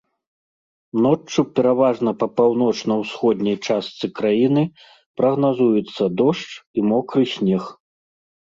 Ноччу пераважна па паўночна-ўсходняй частцы краіны прагназуюцца дождж і мокры снег.